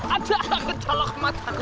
ada kecelok mataku